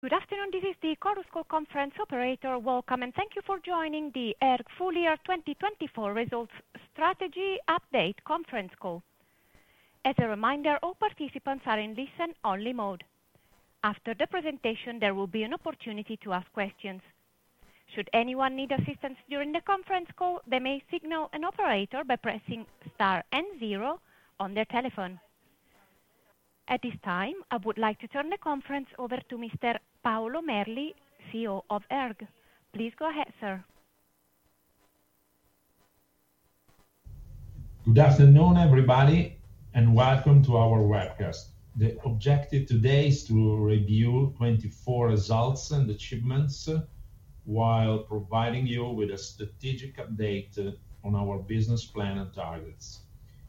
Good afternoon, this is the Chorus Call Conference Operator. Welcome, and thank you for joining the ERG Full Year 2024 Results Strategy Update Conference Call. As a reminder, all participants are in listen-only mode. After the presentation, there will be an opportunity to ask questions. Should anyone need assistance during the conference call, they may signal an operator by pressing star and zero on their telephone. At this time, I would like to turn the conference over to Mr. Paolo Merli, CEO of ERG. Please go ahead, sir. Good afternoon, everybody, and welcome to our webcast. The objective today is to review 2024 Results and Achievements while providing you with a strategic update on our business plan and targets.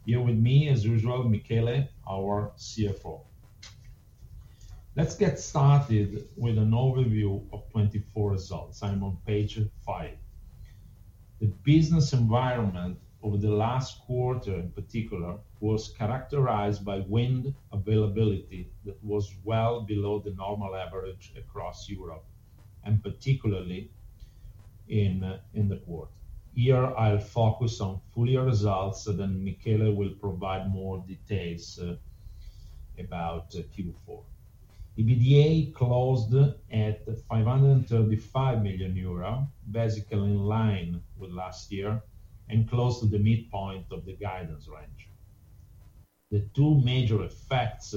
Here with me, as usual, Michele, our CFO. Let's get started with an overview of 2024 results. I'm on Page 5. The business environment over the last quarter, in particular, was characterized by wind availability that was well below the normal average across Europe, and particularly in the quarter. Here, I'll focus on full year results, and then Michele will provide more details about Q4. EBITDA closed at 535 million euro, basically in line with last year, and closed at the midpoint of the guidance range. The two major effects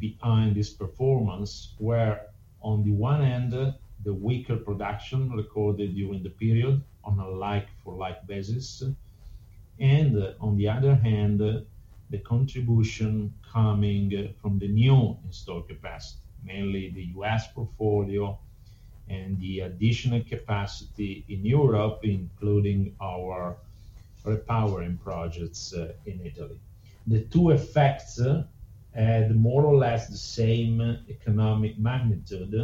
behind this performance were, on the one hand, the weaker production recorded during the period on a like-for-like basis, and on the other hand, the contribution coming from the new installed capacity, mainly the U.S. portfolio and the additional capacity in Europe, including our Repowering projects in Italy. The two effects had more or less the same economic magnitude,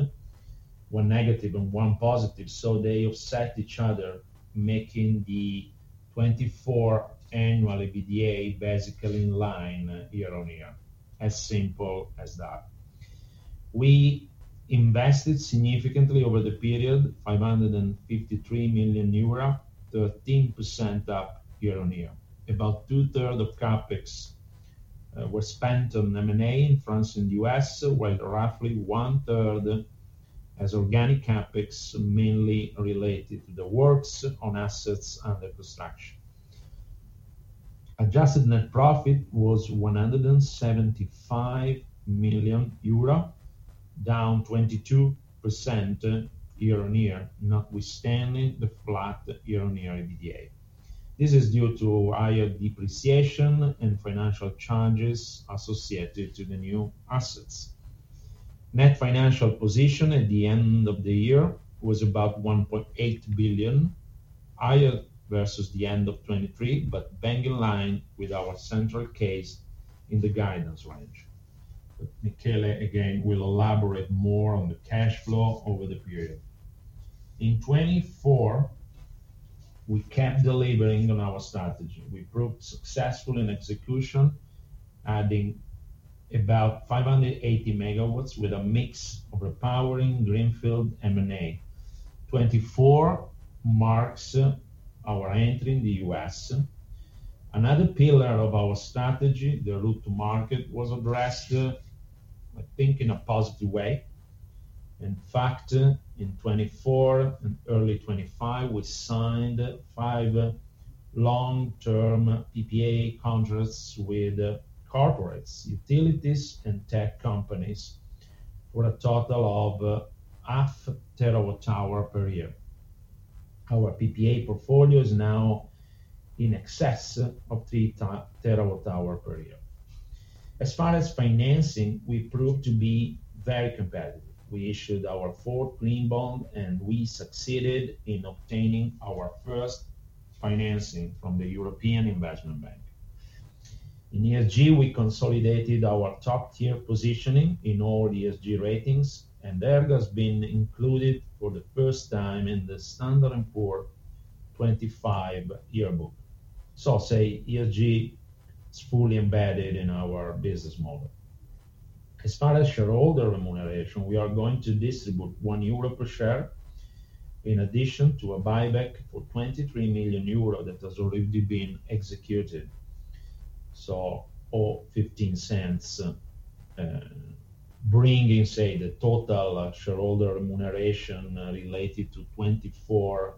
one negative and one positive, so they offset each other, making the 2024 annual EBITDA basically in line year-on-year, as simple as that. We invested significantly over the period, 553 million euro, 13% up year-on-year. About two-thirds of CapEx were spent on M&A in France and the US, while roughly 1/3 as organic CapEx, mainly related to the works on assets under construction. Adjusted Net Profit was 175 million euro, down 22% year-on-year, notwithstanding the flat year-on-year EBITDA. This is due to higher depreciation and financial charges associated to the new assets. Net financial position at the end of the year was about 1.8 billion, higher versus the end of 2023, but bang in line with our central case in the guidance range. Michele, again, will elaborate more on the cash flow over the period. In 2024, we kept delivering on our strategy. We proved successful in execution, adding about 580 MW with a mix of Repowering, greenfield, M&A. 2024 marks our entry in the U.S. Another pillar of our strategy, the route to market, was addressed, I think, in a positive way. In fact, in 2024 and early 2025, we signed five long-term PPA contracts with corporates, utilities, and tech companies for a total of 500,000 MWh per year. Our PPA portfolio is now in excess of 3,000,000 MWh per year. As far as financing, we proved to be very competitive. We issued our fourth Green Bond, and we succeeded in obtaining our first financing from the European Investment Bank. In ESG, we consolidated our top-tier positioning in all ESG ratings, and ERG has been included for the first time in the Standard & Poor's 2025 yearbook. ESG is fully embedded in our business model. As far as shareholder remuneration, we are going to distribute 1 euro per share, in addition to a buyback for 23 million euro that has already been executed. Or 15 cents, bringing the total shareholder remuneration related to 2024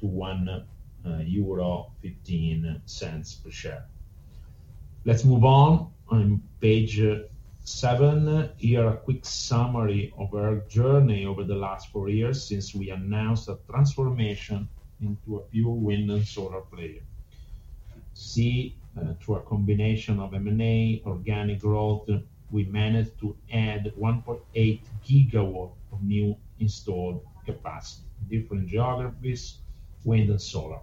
to EUR 1.15 per share. Let's move on. On Page 7, here a quick summary of our journey over the last four years since we announced a transformation into a pure wind and solar player. See, through a combination of M&A, organic growth, we managed to add 1.8 GW of new installed capacity, different geographies, wind and solar.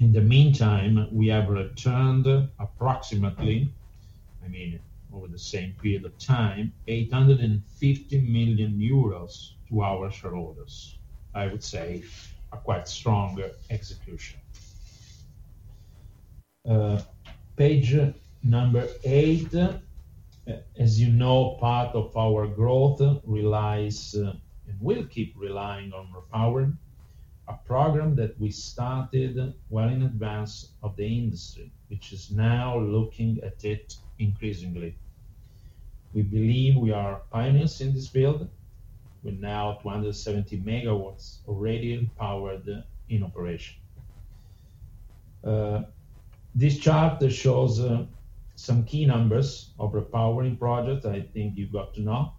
In the meantime, we have returned approximately, I mean, over the same period of time, 850 million euros to our shareholders. I would say a quite strong execution. Page 8, as you know, part of our growth relies and will keep relying on Repowering, a program that we started well in advance of the industry, which is now looking at it increasingly. We believe we are pioneers in this field. We're now 270 MW already powered in operation. This chart shows some key numbers of Repowering projects. I think you've got to know,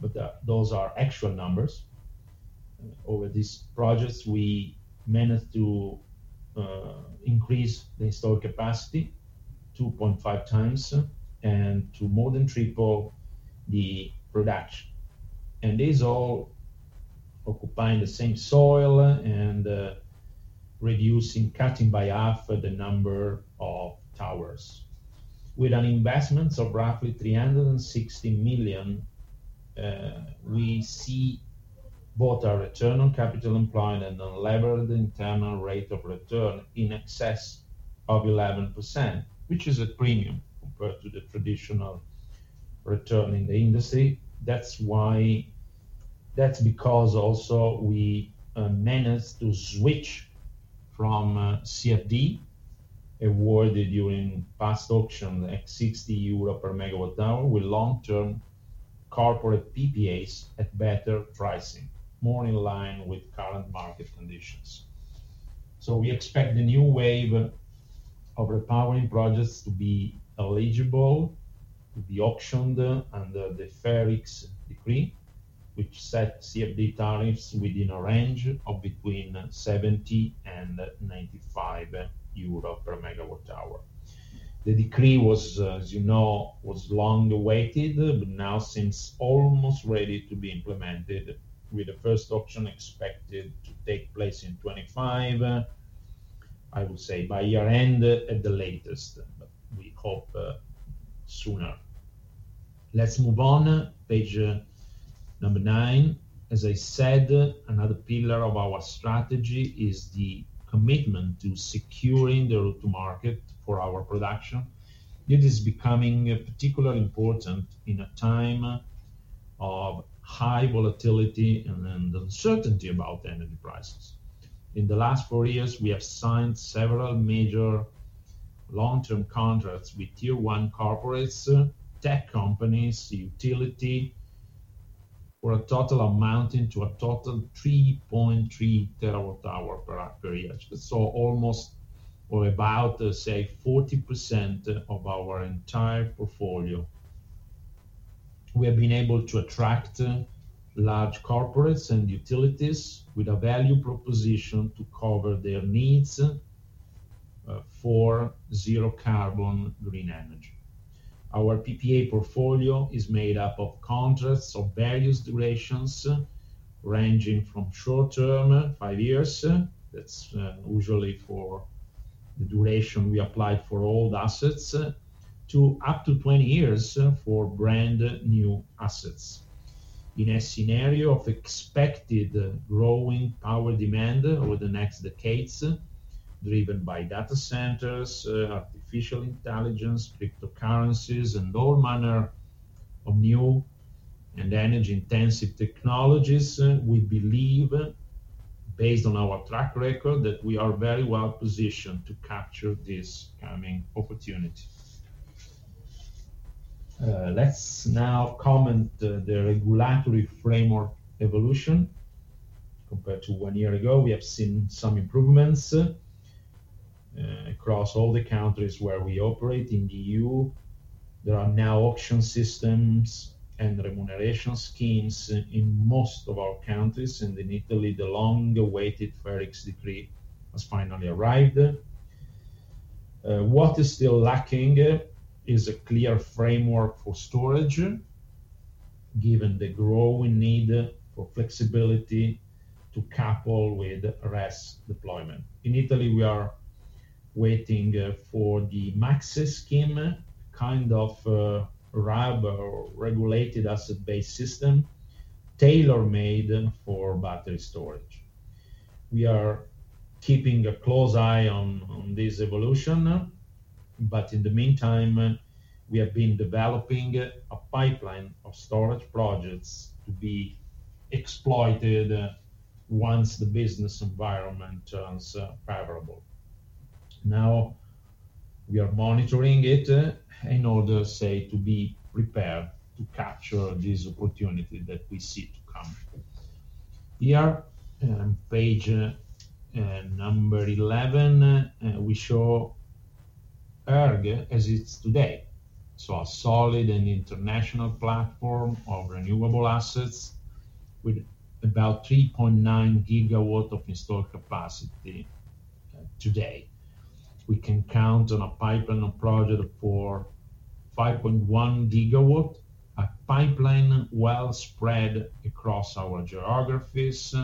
but those are actual numbers. Over these projects, we managed to increase the installed capacity 2.5 times and to more than triple the production. These all occupying the same soil and reducing, cutting by half the number of towers. With an investment of roughly 360 million, we see both our return on capital employed and unlevered internal rate of return in excess of 11%, which is a premium compared to the traditional return in the industry. That is because also we managed to switch from CFD awarded during past auction at 60 euro per megawatt hour with long-term corporate PPAs at better pricing, more in line with current market conditions. We expect the new wave of Repowering projects to be eligible to be auctioned under the FER X decree, which set CFD tariffs within a range of between 70 and 95 euro per megawatt hour. The decree was long awaited, but now seems almost ready to be implemented, with the first auction expected to take place in 2025, I would say by year-end at the latest, but we hope sooner. Let's move on. Page 9. As I said, another pillar of our strategy is the commitment to securing the route to market for our production. It is becoming particularly important in a time of high volatility and uncertainty about energy prices. In the last four years, we have signed several major long-term contracts with tier one corporates, tech companies, utility for a total amounting to a total of 3.3 TWh per year. Almost or about, say, 40% of our entire portfolio. We have been able to attract large corporates and utilities with a value proposition to cover their needs for zero-carbon green energy. Our PPA portfolio is made up of contracts of various durations, ranging from short-term, five years, that's usually for the duration we applied for old assets, to up to 20 years for brand new assets. In a scenario of expected growing power demand over the next decades, driven by data centers, artificial intelligence, cryptocurrencies, and all manner of new and energy-intensive technologies, we believe, based on our track record, that we are very well positioned to capture this coming opportunity. Let's now comment on the regulatory framework evolution compared to one year ago. We have seen some improvements across all the countries where we operate in the EU. There are now auction systems and remuneration schemes in most of our countries. In Italy, the long-awaited FER X decree has finally arrived. What is still lacking is a clear framework for storage, given the growing need for flexibility to couple with RES deployment. In Italy, we are waiting for the MACSE scheme, kind of a RAB or regulated asset-based system, tailor-made for battery storage. We are keeping a close eye on this evolution, but in the meantime, we have been developing a pipeline of storage projects to be exploited once the business environment turns favorable. Now, we are monitoring it in order, say, to be prepared to capture these opportunities that we see to come. Here, on Page 11, we show ERG as it's today. A solid and international platform of renewable assets with about 3.9 GW of installed capacity today. We can count on a pipeline project for 5.1 GW, a pipeline well spread across our geographies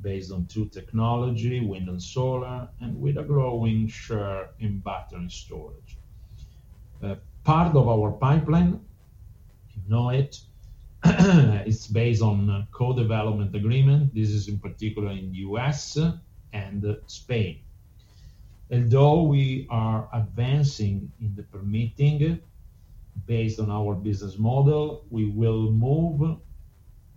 based on two technologies, wind and solar, and with a growing share in battery storage. Part of our pipeline is based on a co-development agreement. This is in particular in the U.S. and Spain. Although we are advancing in the permitting based on our business model, we will move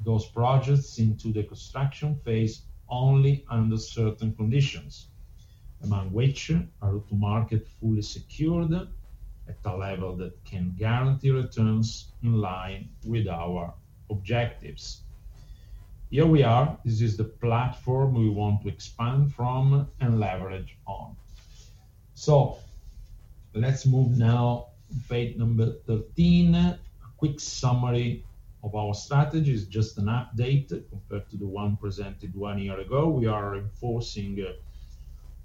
those projects into the construction phase only under certain conditions, among which our route to market is fully secured at a level that can guarantee returns in line with our objectives. Here we are. This is the platform we want to expand from and leverage on. Let's move now to Page 13, a quick summary of our strategy. It's just an update compared to the one presented one year ago. We are enforcing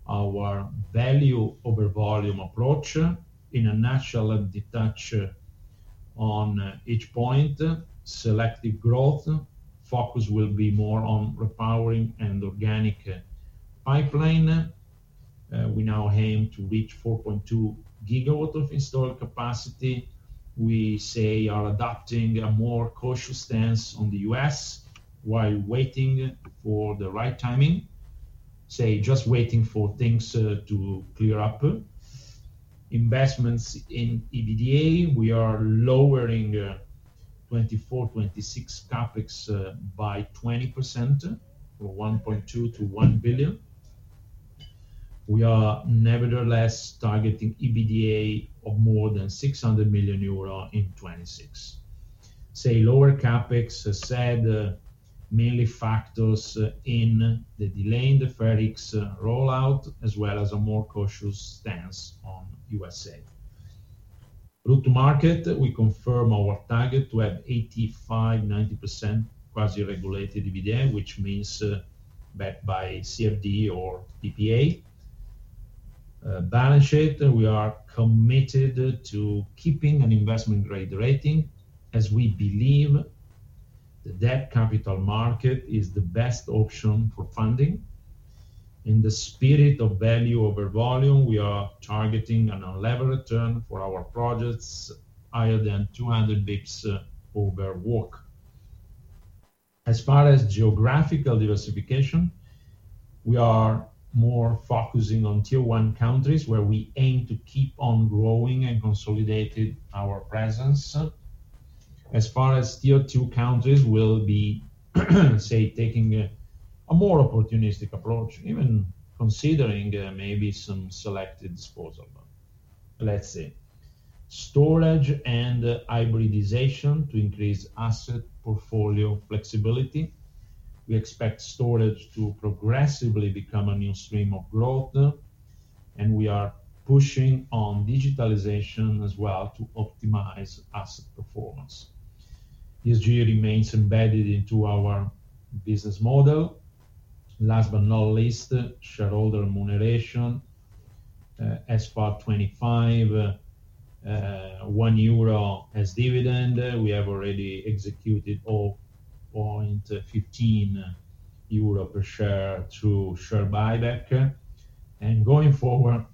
our value over volume approach in a natural detach on each point. Selective growth focus will be more on Repowering and organic pipeline. We now aim to reach 4.2 GW of installed capacity. We, say, are adopting a more cautious stance on the U.S. while waiting for the right timing, say, just waiting for things to clear up. Investments in EBITDA, we are lowering 2024-2026 CapEx by 20% from 1.2 billion to 1 billion. We are nevertheless targeting EBITDA of more than 600 million euro in 2026. Say, lower CapEx has said mainly factors in the delay in the FER X Decree rollout, as well as a more cautious stance on U.S.A. Route to market, we confirm our target to have 85-90% quasi-regulated EBITDA, which means backed by CFD or PPA. Balance sheet, we are committed to keeping an investment-grade rating as we believe the debt capital market is the best option for funding. In the spirit of value over volume, we are targeting an unlevered return for our projects higher than 200 basis points over WACC. As far as geographical diversification, we are more focusing on tier one countries where we aim to keep on growing and consolidating our presence. As far as tier two countries will be, say, taking a more opportunistic approach, even considering maybe some selective disposal. Let's see. Storage and hybridization to increase asset portfolio flexibility. We expect storage to progressively become a new stream of growth, and we are pushing on digitalization as well to optimize asset performance. ESG remains embedded into our business model. Last but not least, shareholder remuneration, As for '25, 1 euro as dividend. We have already executed 0.15 euro per share through share buyback. Going forward,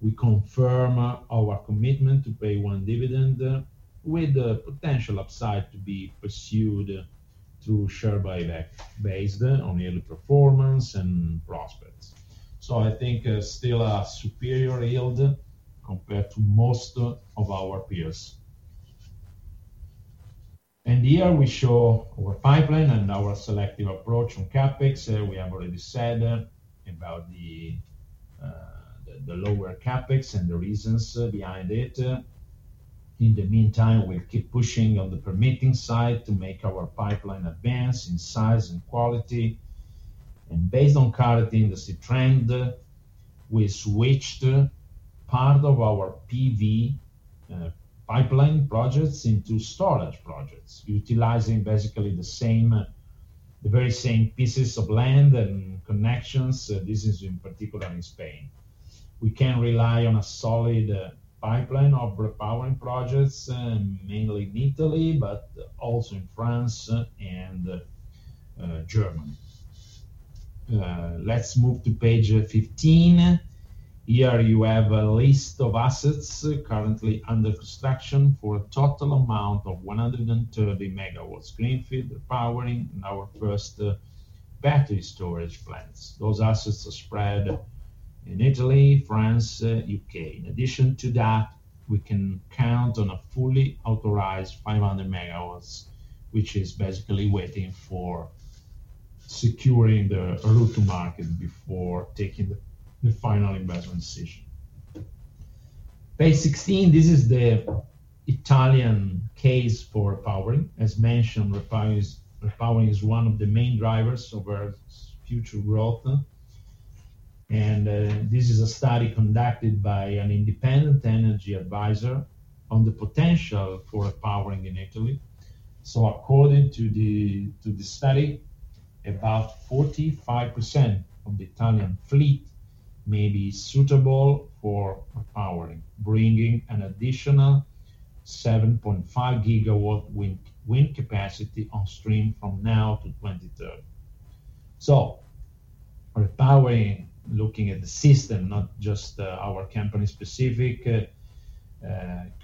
we confirm our commitment to pay one dividend with the potential upside to be pursued through share buyback based on early performance and prospects. I think still a superior yield compared to most of our peers. Here we show our pipeline and our selective approach on CapEx. We have already said about the lower CapEx and the reasons behind it. In the meantime, we'll keep pushing on the permitting side to make our pipeline advance in size and quality. Based on current industry trend, we switched part of our PV pipeline projects into storage projects, utilizing basically the very same pieces of land and connections. This is in particular in Spain. We can rely on a solid pipeline of Repowering projects, mainly in Italy, but also in France and Germany. Let's move to Page 15. Here you have a list of assets currently under construction for a total amount of 130 MW greenfield Repowering and our first battery storage plants. Those assets are spread in Italy, France, U.K. In addition to that, we can count on a fully authorized 500 megawatts, which is basically waiting for securing the route to market before taking the final investment decision. Page 16, this is the Italian case for Repowering. As mentioned, Repowering is one of the main drivers of ERG's future growth. This is a study conducted by an independent energy advisor on the potential for Repowering in Italy. According to the study, about 45% of the Italian fleet may be suitable for Repowering, bringing an additional 7.5 gigawatt wind capacity on stream from now to 2030. Repowering, looking at the system, not just our company specific,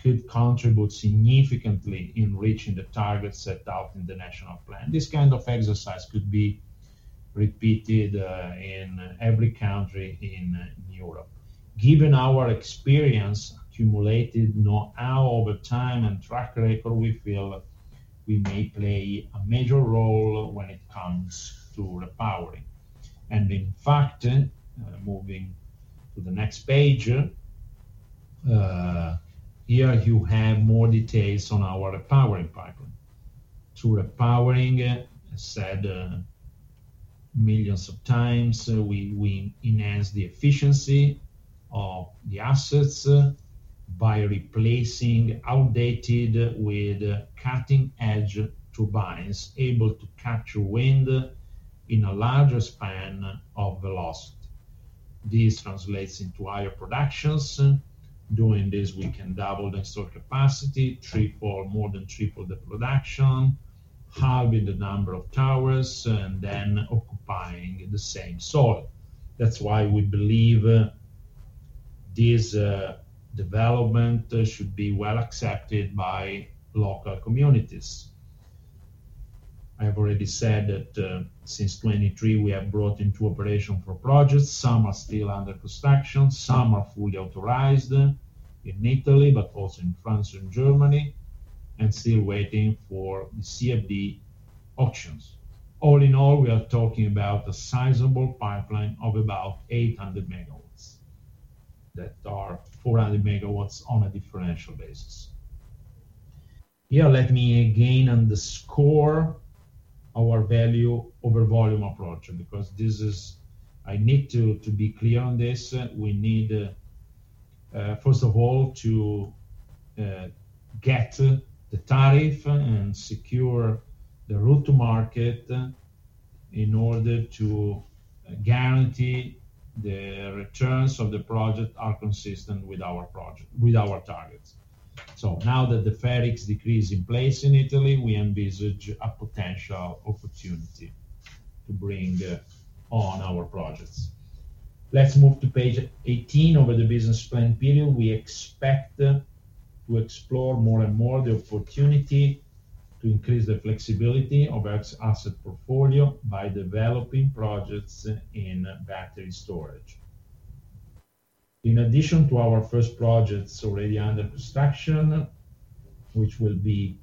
could contribute significantly in reaching the targets set out in the national plan. This kind of exercise could be repeated in every country in Europe. Given our experience accumulated now over time and track record, we feel we may play a major role when it comes to Repowering. In fact, moving to the next Page, here you have more details on our Repowering pipeline. Through Repowering, as said millions of times, we enhance the efficiency of the assets by replacing outdated with cutting-edge turbines able to capture wind in a larger span of velocity. This translates into higher productions. Doing this, we can double the installed capacity, triple, more than triple the production, halving the number of towers, and then occupying the same soil. That's why we believe this development should be well accepted by local communities. I have already said that since 2023, we have brought into operation four projects. Some are still under construction. Some are fully authorized in Italy, but also in France and Germany, and still waiting for the CFD auctions. All in all, we are talking about a sizable pipeline of about 800 MW that are 400 MW on a differential basis. Here, let me again underscore our value over volume approach because this is I need to be clear on this. We need, first of all, to get the tariff and secure the route to market in order to guarantee the returns of the project are consistent with our targets. Now that the FER X Decree is in place in Italy, we envisage a potential opportunity to bring on our projects. Let's move to Page 18 over the business plan period. We expect to explore more and more the opportunity to increase the flexibility of our asset portfolio by developing projects in battery storage. In addition to our first projects already under construction, which will be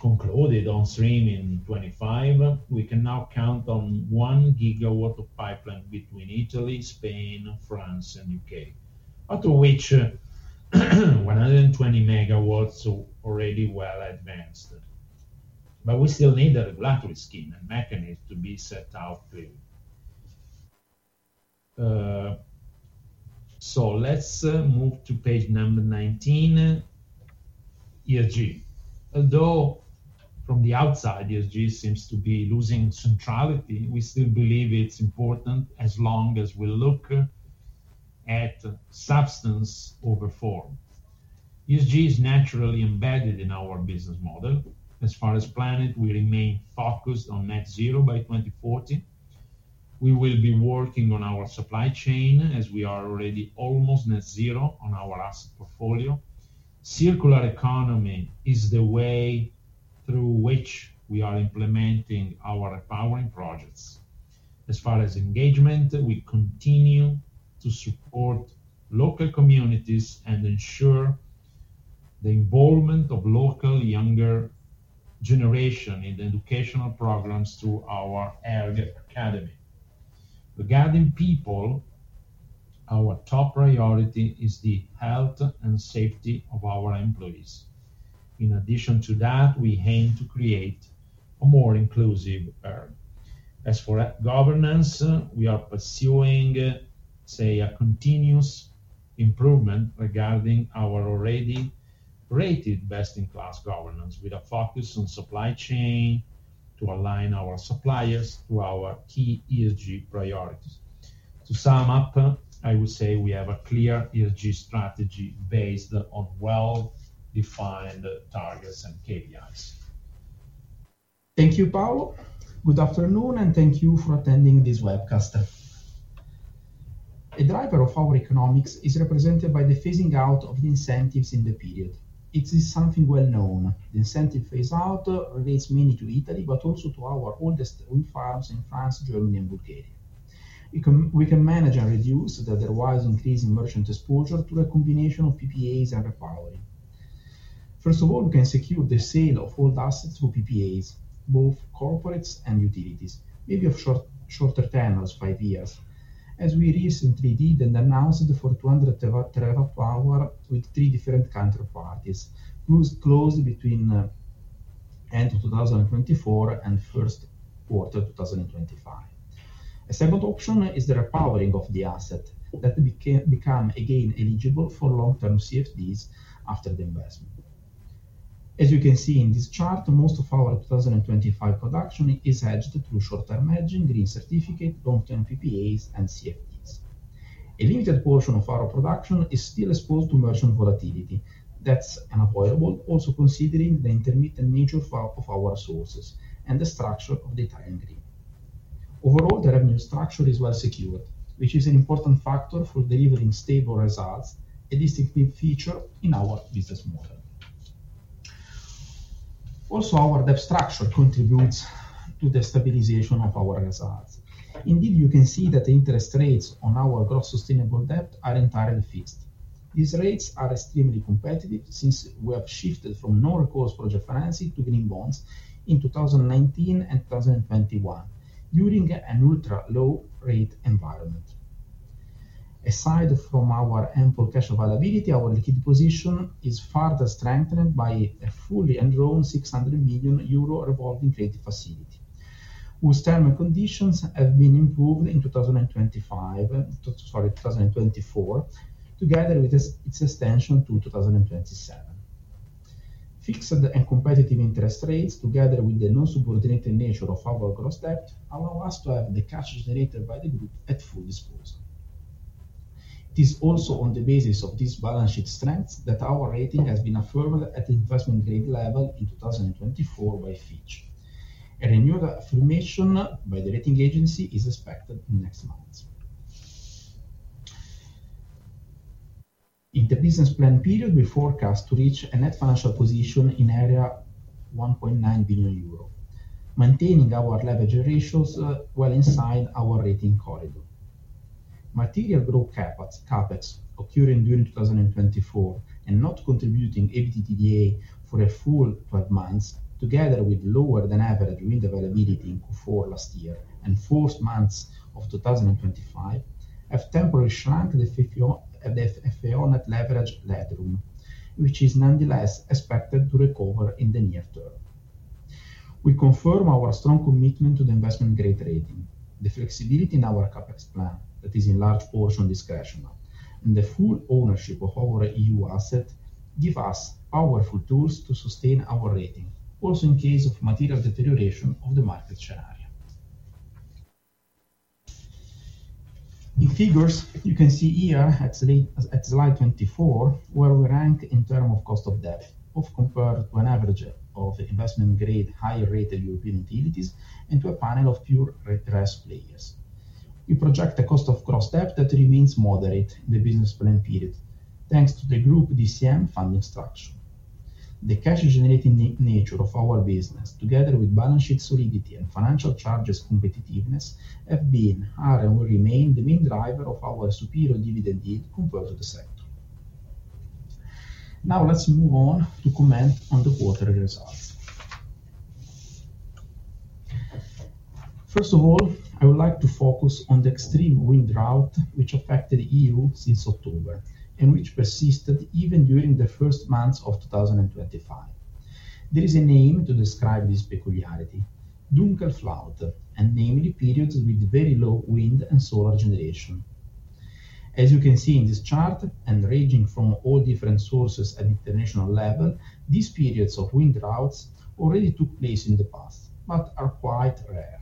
concluded on stream in 2025, we can now count on one gigawatt of pipeline between Italy, Spain, France, and the U.K., out of which 120 MW are already well advanced. We still need a regulatory scheme and mechanism to be set out clearly. Let's move to Page 19, ESG. Although from the outside, ESG seems to be losing centrality, we still believe it's important as long as we look at substance over form. ESG is naturally embedded in our business model. As far as planned, we remain focused on net zero by 2040. We will be working on our supply chain as we are already almost net zero on our asset portfolio. Circular economy is the way through which we are implementing our Repowering projects. As far as engagement, we continue to support local communities and ensure the involvement of local younger generation in educational programs through our ERG Academy. Regarding people, our top priority is the health and safety of our employees. In addition to that, we aim to create a more inclusive ERG. As for governance, we are pursuing, say, a continuous improvement regarding our already rated best-in-class governance with a focus on supply chain to align our suppliers to our key ESG priorities. To sum up, I would say we have a clear ESG strategy based on well-defined targets and KPIs. Thank you, Paolo. Good afternoon, and thank you for attending this webcast. A driver of our economics is represented by the phasing out of the incentives in the period. It is something well known. The incentive phase-out relates mainly to Italy, but also to our oldest wind farms in France, Germany, and Bulgaria. We can manage and reduce the otherwise increasing merchant exposure through a combination of PPAs and Repowering. First of all, we can secure the sale of old assets through PPAs, both corporates and utilities, maybe of shorter term as five years, as we recently did and announced for 200 TWh with three different counterparties closed between the end of 2024 and Q1 2025. A second option is the Repowering of the asset that become, again, eligible for long-term CFDs after the investment. As you can see in this chart, most of our 2025 production is hedged through short-term hedging, green certificate, long-term PPAs, and CFDs. A limited portion of our production is still exposed to merchant volatility. That's unavoidable, also considering the intermittent nature of our sources and the structure of the Italian green. Overall, the revenue structure is well secured, which is an important factor for delivering stable results, a distinctive feature in our business model. Also, our debt structure contributes to the stabilization of our results. Indeed, you can see that the interest rates on our gross sustainable debt are entirely fixed. These rates are extremely competitive since we have shifted from no-recourse project financing to Green Bonds in 2019 and 2021 during an ultra-low-rate environment. Aside from our ample cash availability, our liquid position is further strengthened by a fully enrolled 600 million euro revolving credit facility whose term and conditions have been improved in 2024, together with its extension to 2027. Fixed and competitive interest rates, together with the non-subordinating nature of our gross debt, allow us to have the cash generated by the group at full disposal. It is also on the basis of this balance sheet strength that our rating has been affirmed at the investment-grade level in 2024 by Fitch. A renewed affirmation by the rating agency is expected next month. In the business plan period, we forecast to reach a net financial position in area 1.9 billion euro, maintaining our leverage ratios well inside our rating corridor. Material growth CapEx occurring during 2024 and not contributing EBITDA for a full 12 months, together with lower-than-average wind availability in Q4 last year and fourth months of 2025, have temporarily shrunk the FFO net leverage headroom, which is nonetheless expected to recover in the near term. We confirm our strong commitment to the investment-grade rating. The flexibility in our CapEx plan that is in large portion discretionary and the full ownership of our EU asset give us powerful tools to sustain our rating, also in case of material deterioration of the market scenario. In figures, you can see here at slide 24 where we rank in terms of cost of debt both compared to an average of investment-grade higher-rated European utilities and to a panel of pure risk players. We project a cost of gross debt that remains moderate in the business plan period thanks to the group DCM funding structure. The cash-generating nature of our business, together with balance sheet solidity and financial charges competitiveness, have been and will remain the main driver of our superior dividend yield compared to the sector. Now, let's move on to comment on the quarterly results. First of all, I would like to focus on the extreme wind drought, which affected the EU since October and which persisted even during the first months of 2025. There is a name to describe this peculiarity, Dunkelflaute, and namely periods with very low wind and solar generation. As you can see in this chart and ranging from all different sources at the international level, these periods of wind droughts already took place in the past but are quite rare.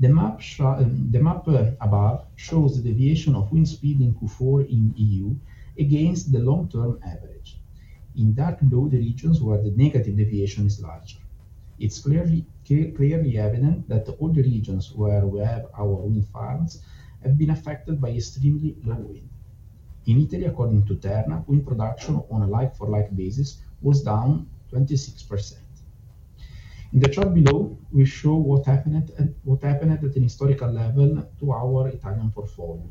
The map above shows the deviation of wind speed in Q4 in EU against the long-term average in dark blue regions where the negative deviation is larger. It's clearly evident that all the regions where we have our wind farms have been affected by extremely low wind. In Italy, according to Terna, wind production on a like-for-like basis was down 26%. In the chart below, we show what happened at an historical level to our Italian portfolio.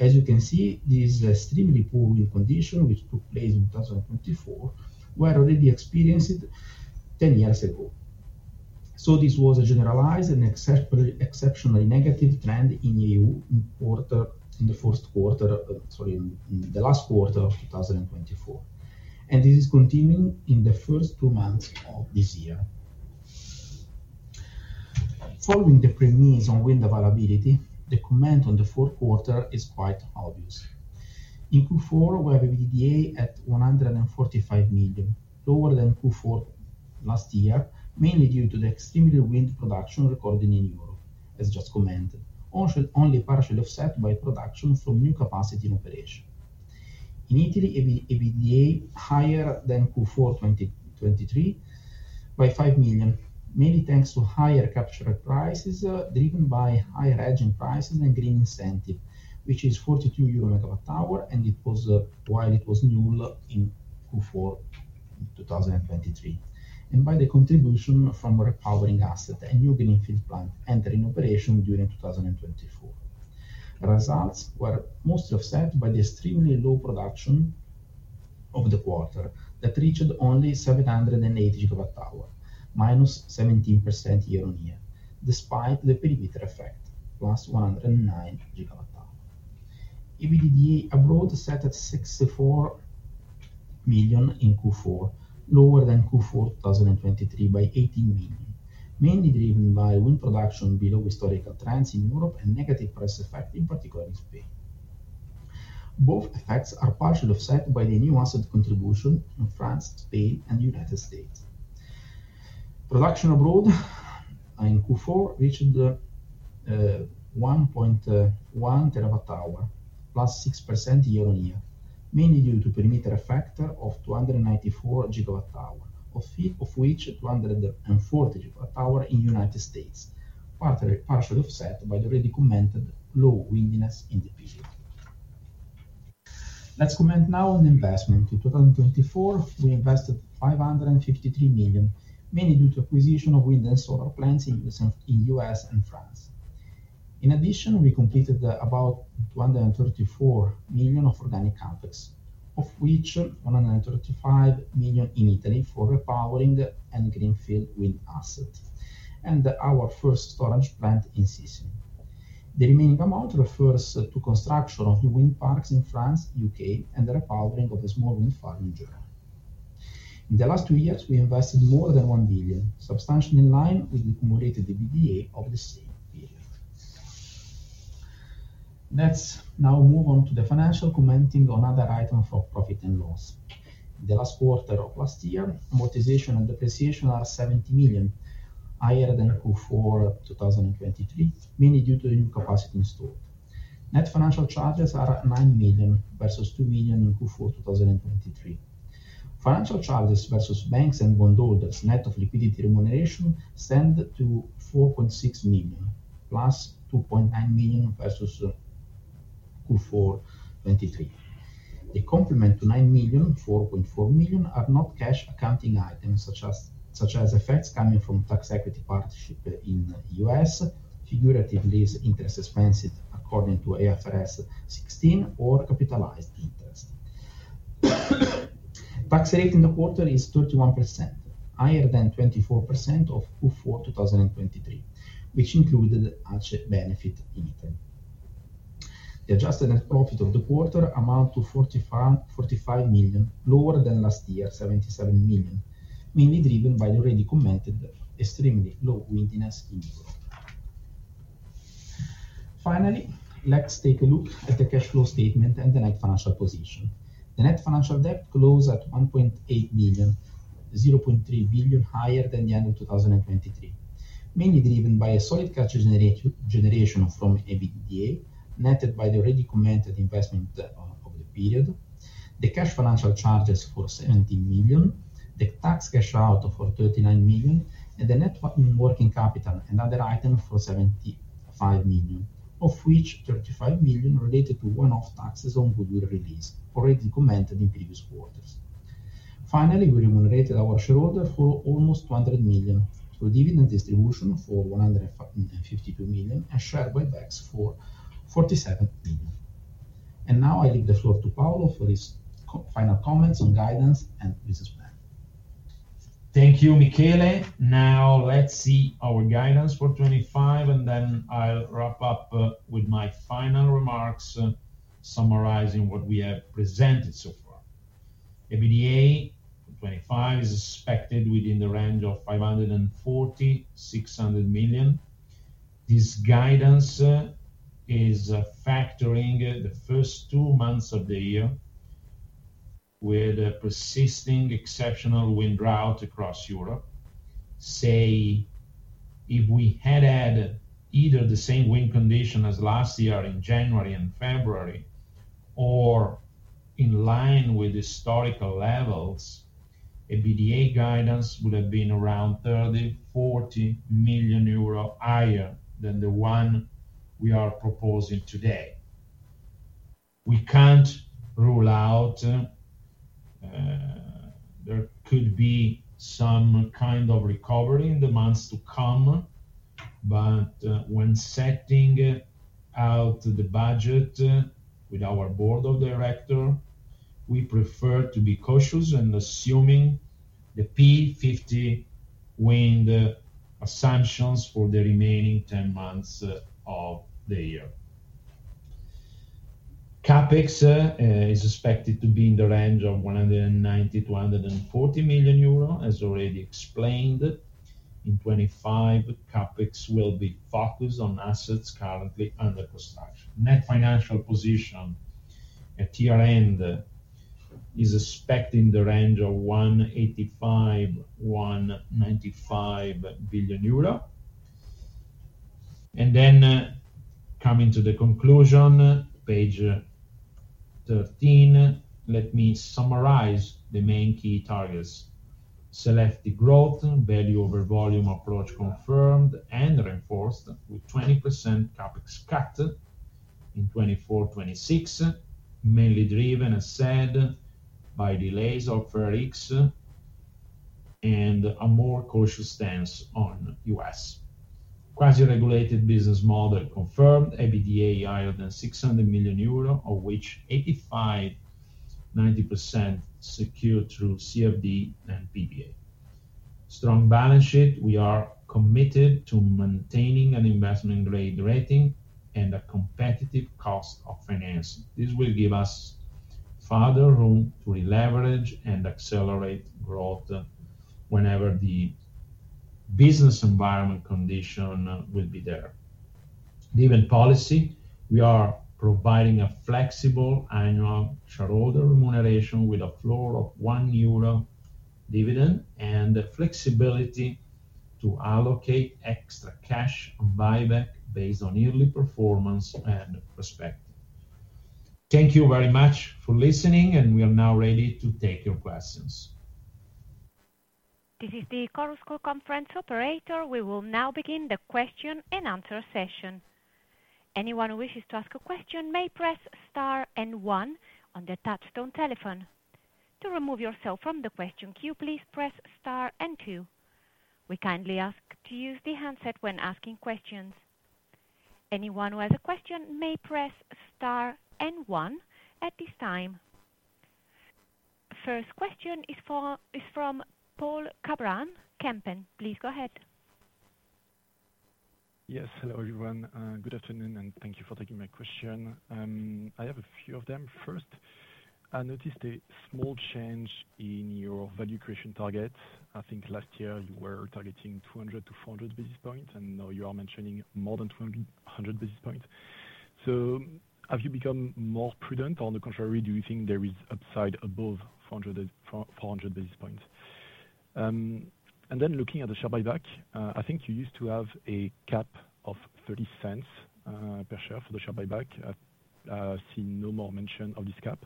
As you can see, these extremely poor wind conditions, which took place in 2024, were already experienced 10 years ago. This was a generalized and exceptionally negative trend in EU in the Q1 in the last quarter of 2024. This is continuing in the first two months of this year. Following the premieres on wind availability, the comment on the fourth quarter is quite obvious. In Q4, we have an EBITDA at 145 million, lower than Q4 last year, mainly due to the extremely poor wind production recorded in Europe, as just commented, only partially offset by production from new capacity in operation. In Italy, EBITDA higher than Q4 2023 by 5 million, mainly thanks to higher capture prices driven by higher hedging prices and green incentive, which is 42 euro per MWh, and it was while it was null in Q4 2023, and by the contribution from a Repowering asset, a new greenfield plant entering operation during 2024. Results were mostly offset by the extremely low production of the quarter that reached only 780 GWh minus 17% year-on-year, despite the perimeter effect, plus 109 GWh. A EBITDA abroad set at 64 million in Q4, lower than Q4 2023 by 18 million, mainly driven by wind production below historical trends in Europe and negative price effect, in particular in Spain. Both effects are partially offset by the new asset contribution in France, Spain, and United States. Production abroad in Q4 reached 1.1 TWh, plus 6% year-on-year, mainly due to perimeter effect of 294 GWh, of which 240 GWh in United States, partially offset by the already commented low windiness in the period. Let's comment now on investment. In 2024, we invested 553 million, mainly due to acquisition of wind and solar plants in the U.S. and France. In addition, we completed about 234 million of organic CapEx, of which 135 million in Italy for Repowering and Greenfield Wind Asset, and our first storage plant in Sicily. The remaining amount refers to construction of new wind parks in France, UK, and the Repowering of a small wind farm in Germany. In the last two years, we invested more than 1 billion, substantially in line with the accumulated EBITDA of the same period. Let's now move on to the financial commenting on other items for profit and loss. In the last quarter of last year, amortization and depreciation are 70 million higher than Q4 2023, mainly due to the new capacity installed. Net financial charges are 9 million versus 2 million in Q4 2023. Financial charges versus banks and bondholders net of liquidity remuneration stand to 4.6 million, plus 2.9 million versus Q4 2023. The complement to 9 million, 4.4 million are not cash accounting items, such as effects coming from tax equity partnership in the US, figuratively as interest expenses according to IFRS 16 or capitalized interest. Tax rate in the quarter is 31%, higher than 24% of Q4 2023, which included a benefit in Italy. The adjusted net profit of the quarter amounts to 45 million, lower than last year, 77 million, mainly driven by the already commented extremely low windiness in Europe. Finally, let's take a look at the cash flow statement and the net financial position. The net financial debt closed at 1.8 billion, 0.3 billion higher than the end of 2023, mainly driven by a solid cash generation from EBITDA netted by the already commented investment of the period. The cash financial charges for 17 million, the tax cash out for 39 million, and the net working capital and other items for 75 million, of which 35 million related to one-off taxes on goodwill release, already commented in previous quarters. Finally, we remunerated our shareholders for almost 200 million, through dividend distribution for 152 million, and share buybacks for 47 million. I leave the floor to Paolo for his final comments on guidance and business plan. Thank you, Michele. Now, let's see our guidance for 2025, and then I'll wrap up with my final remarks summarizing what we have presented so far. EBITDA for 2025 is expected within the range of 540 million-600 million. This guidance is factoring the first two months of the year with persisting exceptional wind drought across Europe. Say if we had had either the same wind condition as last year in January and February or in line with historical levels, EBITDA guidance would have been around 30 million-40 million euro higher than the one we are proposing today. We can't rule out there could be some kind of recovery in the months to come, but when setting out the budget with our board of directors, we prefer to be cautious and assuming the P50 wind assumptions for the remaining 10 months of the year. CapEx is expected to be in the range of 190 million-240 million euro, as already explained. In 2025, CapEx will be focused on assets currently under construction. Net financial position at year-end is expected in the range of 185 million-195 million euro. Coming to the conclusion, Page 13, let me summarize the main key targets. Select the growth, value over volume approach confirmed and reinforced with 20% CapEx cut in 2024-2026, mainly driven, as said, by delays of FER X Decree and a more cautious stance on U.S. Quasi-regulated business model confirmed, EBITDA higher than 600 million euro, of which 85-90% secured through CFD and PPA. Strong balance sheet, we are committed to maintaining an investment-grade rating and a competitive cost of financing. This will give us further room to re-leverage and accelerate growth whenever the business environment condition will be there. Dividend policy, we are providing a flexible annual shareholder remuneration with a floor of 1 euro dividend and the flexibility to allocate extra cash on buyback based on yearly performance and perspective. Thank you very much for listening, and we are now ready to take your questions. This is the Chorus Call Conference Operator. We will now begin the question and answer session. Anyone who wishes to ask a question may press star and one on the touchstone telephone. To remove yourself from the question queue, please press star and two. We kindly ask to use the handset when asking questions. Anyone who has a question may press star and one at this time. First question is from Paul Cabraal, Kempen. Please go ahead. Yes, hello everyone. Good afternoon, and thank you for taking my question. I have a few of them. First, I noticed a small change in your value creation target. I think last year you were targeting 200 to 400 basis points, and now you are mentioning more than 200 basis points. Have you become more prudent, or on the contrary, do you think there is upside above 400 basis points? Looking at the share buyback, I think you used to have a cap of 0.30 per share for the share buyback. I see no more mention of this cap.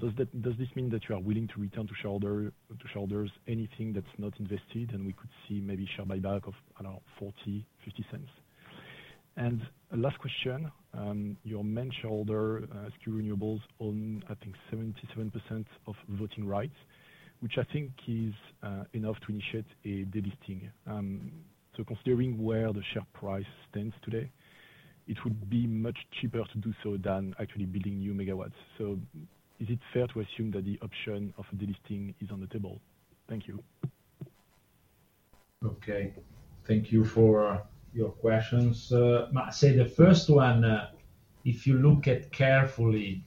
Does this mean that you are willing to return to shareholders anything that's not invested? We could see maybe share buyback of around 0.40-0.50. Last question, your main shareholder SQ Renewables owns, I think, 77% of voting rights, which I think is enough to initiate a delisting. Considering where the share price stands today, it would be much cheaper to do so than actually building new megawatts. Is it fair to assume that the option of a delisting is on the table? Thank you. Thank you for your questions. I say the first one, if you look carefully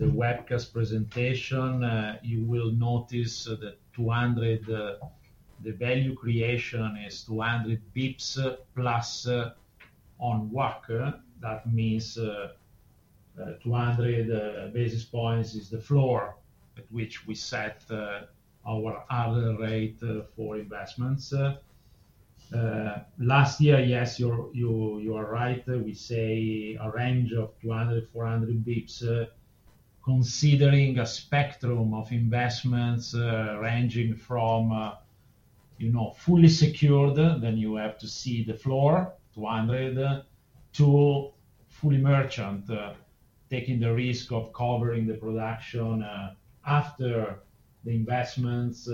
at the webcast presentation, you will notice that 200, the value creation is 200 basis points plus on work. That means 200 basis points is the floor at which we set our other rate for investments. Last year, yes, you are right. We say a range of 200-400 basis points, considering a spectrum of investments ranging from fully secured, then you have to see the floor, 200, to fully merchant, taking the risk of covering the production after the investments.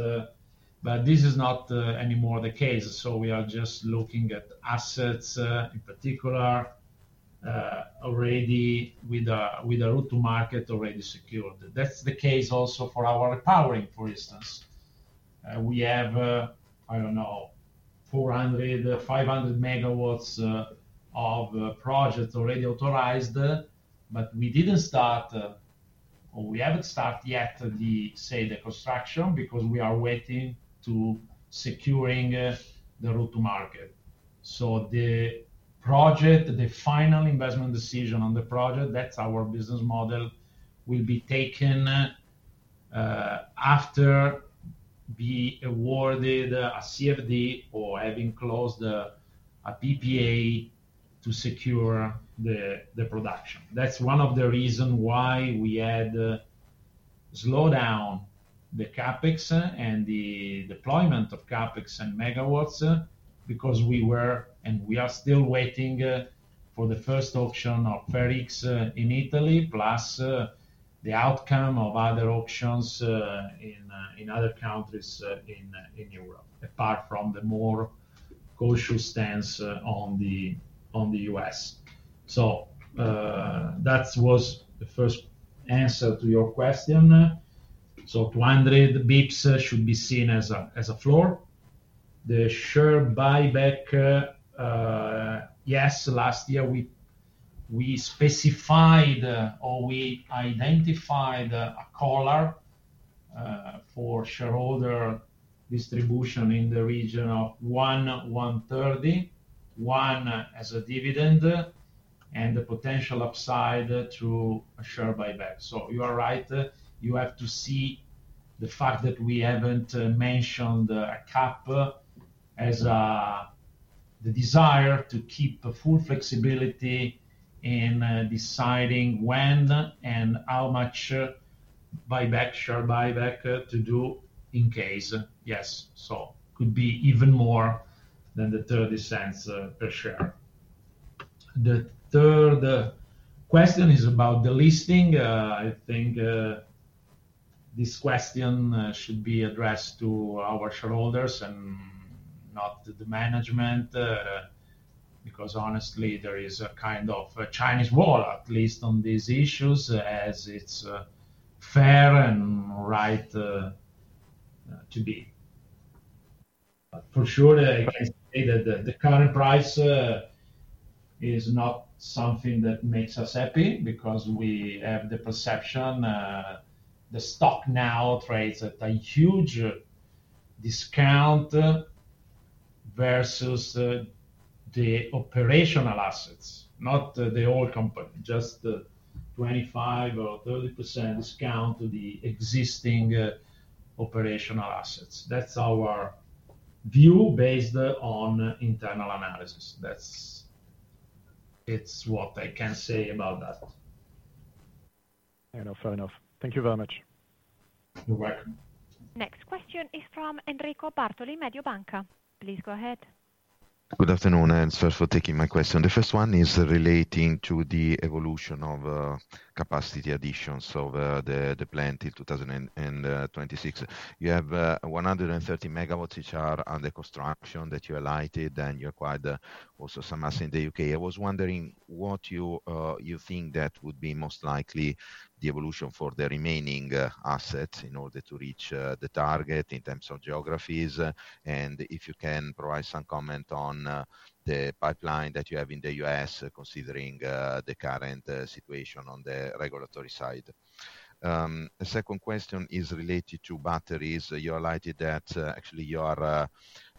This is not anymore the case. We are just looking at assets in particular, already with a route to market already secured. That is the case also for our Repowering, for instance. We have, I do not know, 400-500 MW of projects already authorized, but we did not start, or we have not started yet, the construction because we are waiting to secure the route to market. The project, the final investment decision on the project, that is our business model, will be taken after we awarded a CFD or having closed a PPA to secure the production. That's one of the reasons why we had slowed down the CapEx and the deployment of CapEx and megawatts because we were and we are still waiting for the first auction of FER X Decree in Italy, plus the outcome of other auctions in other countries in Europe, apart from the more cautious stance on the U.S. That was the first answer to your question. 200 basis points should be seen as a floor. The share buyback, yes, last year we specified or we identified a color for shareholder distribution in the region of 1, 1.30, 1 as a dividend, and the potential upside through a share buyback. You are right. You have to see the fact that we have not mentioned a cap as the desire to keep full flexibility in deciding when and how much share buyback to do in case. Yes. It could be even more than the $0.30 per share. The third question is about the listing. I think this question should be addressed to our shareholders and not to the management because, honestly, there is a kind of Chinese wall, at least on these issues, as it's fair and right to be. For sure, I can say that the current price is not something that makes us happy because we have the perception the stock now trades at a huge discount versus the operational assets, not the whole company, just 25% or 30% discount to the existing operational assets. That's our view based on internal analysis. That's what I can say about that. I know, fair enough. Thank you very much. You're welcome. Next question is from Enrico Bartoli, Mediobanca. Please go ahead. Good afternoon, and thanks for taking my question. The first one is relating to the evolution of capacity additions of the plant in 2026. You have 130 MW each hour under construction that you highlighted, and you acquired also some assets in the U.K. I was wondering what you think that would be most likely the evolution for the remaining assets in order to reach the target in terms of geographies, and if you can provide some comment on the pipeline that you have in the U.S. considering the current situation on the regulatory side. The second question is related to batteries. You highlighted that actually you are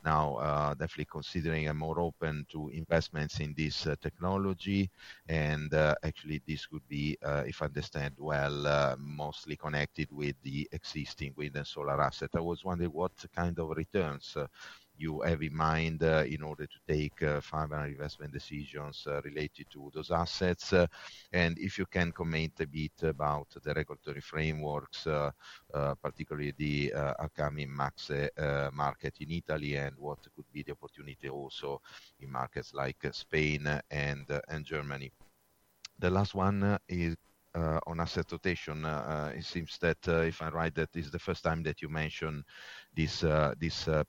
now definitely considering and more open to investments in this technology, and actually this would be, if I understand well, mostly connected with the existing wind and solar assets. I was wondering what kind of returns you have in mind in order to take fundamental investment decisions related to those assets, and if you can comment a bit about the regulatory frameworks, particularly the upcoming MACSE market in Italy, and what could be the opportunity also in markets like Spain and Germany. The last one is on asset rotation. It seems that if I'm right, that is the first time that you mentioned this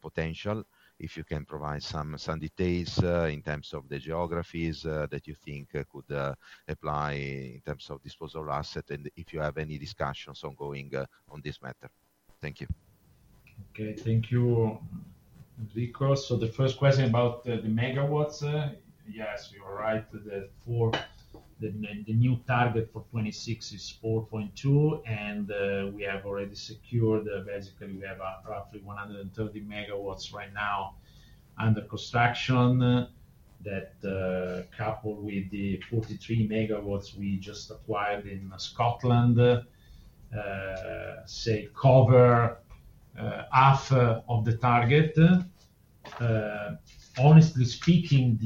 potential. If you can provide some details in terms of the geographies that you think could apply in terms of disposable asset, and if you have any discussions ongoing on this matter. Thank you. Thank you, Enrico. The first question about the megawatts, yes, you're right. The new target for 2026 is 4.2, and we have already secured, basically, we have roughly 130 MW right now under construction that, coupled with the 43 MW we just acquired in Scotland, say, cover half of the target. Honestly speaking,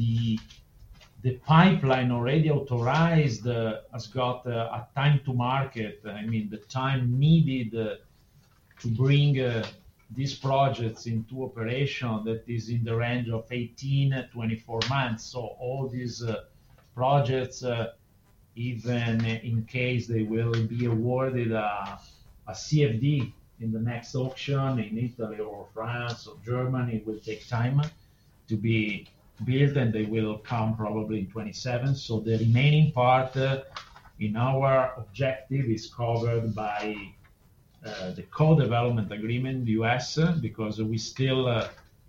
the pipeline already authorized has got a time to market. The time needed to bring these projects into operation that is in the range of 18-24 months. All these projects, even in case they will be awarded a CFD in the next auction in Italy or France or Germany, will take time to be built, and they will come probably in 2027. The remaining part in our objective is covered by the co-development agreement, the US, because we still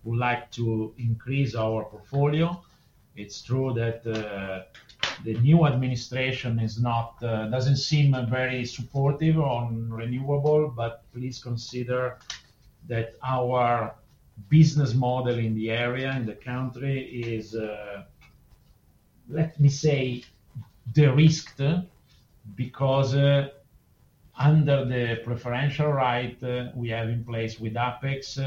would like to increase our portfolio. It's true that the new administration doesn't seem very supportive on renewable, but please consider that our business model in the area, in the country, is, let me say, derisked because under the preferential right we have in place with Apex,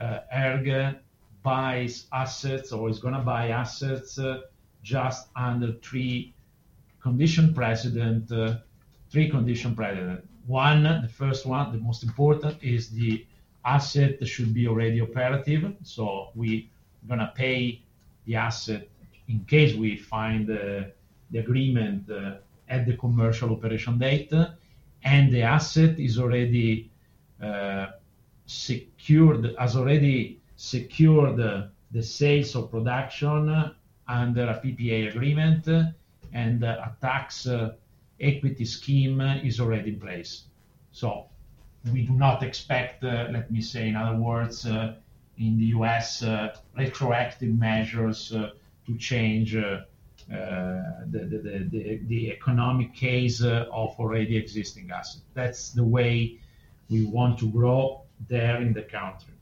ERG buys assets or is going to buy assets just under three conditions. One of the first ones, the most important, is the asset should be already operative. We are going to pay the asset in case we find the agreement at the commercial operation date, and the asset has already secured the sales of production under a PPA agreement, and a tax equity scheme is already in place. We do not expect, let me say, in other words, in the U.S., retroactive measures to change the economic case of already existing assets. That's the way we want to grow there in the country.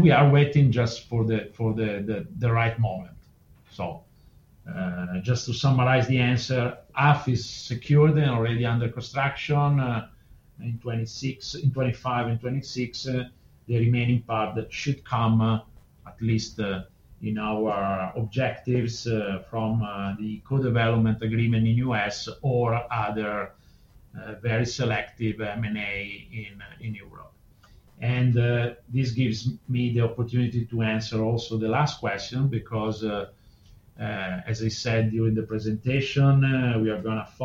We are waiting just for the right moment. Just to summarize the answer, half is secured and already under construction in 2025 and 2026. The remaining part should come, at least in our objectives, from the co-development agreement in the U.S. or other very selective M&A in Europe. This gives me the opportunity to answer also the last question because, as I said during the presentation, we are going to.